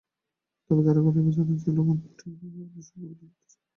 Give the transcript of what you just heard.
তবে তারকারা এবার জানাচ্ছেন, রোমান্টিক দৃশ্যে কাদের সঙ্গে অভিনয় করতে চান তাঁরা।